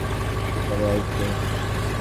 উনি পরে আসবে।